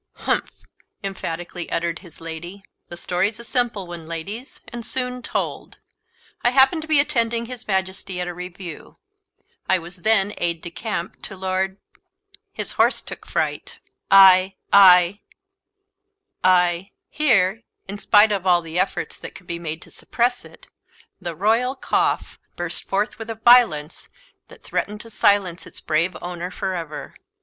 "Humph!" emphatically uttered his lady. "The story's a simple one, ladies, and soon told: I happened to be attending his Majesty at a review; I was then aid de camp to Lord . His horse took fright, I I I," here, in spite of all the efforts that could be made to suppress it, the royal _cough _burst forth with a violence that threatened to silence its brave owner for ever.